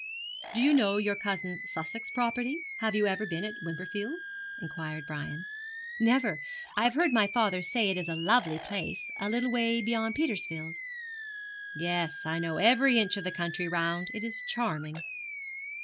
'Do you know your cousin's Sussex property? Have you ever been at Wimperfield?' inquired Brian. 'Never. I have heard my father say it is a lovely place, a little way beyond Petersfield.' 'Yes, I know every inch of the country round. It is charming.'